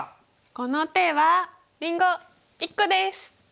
この手はりんご１個です！